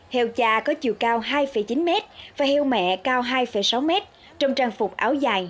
heo cha có chiều cao hai chín m và heo mẹ cao hai sáu m trong trang phục áo dài